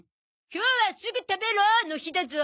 今日は「すぐ！たべろ！！」の日だゾ。